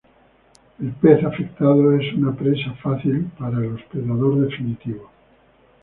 El pez afectado es una presa fácil para el hospedador definitivo.